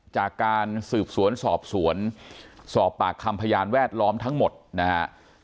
จากการสืบสวนสอบสวนสอบปากคำพยานแวดล้อมทั้งหมดนะฮะ